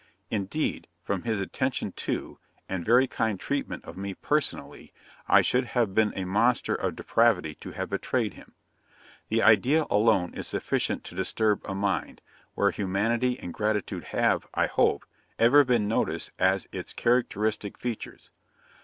Indeed, from his attention to, and very kind treatment of me personally, I should have been a monster of depravity to have betrayed him. The idea alone is sufficient to disturb a mind, where humanity and gratitude have, I hope, ever been noticed as its characteristic features.'